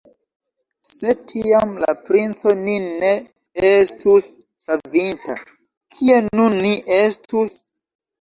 Se tiam la princo nin ne estus savinta, kie nun ni estus?